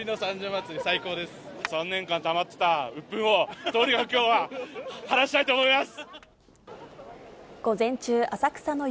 ３年間たまってたうっぷんを、とにかくきょうは、晴らしたいと思います。